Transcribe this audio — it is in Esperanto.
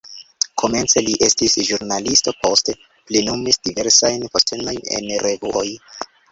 Komence li estis ĵurnalisto, poste plenumis diversajn postenojn en revuoj.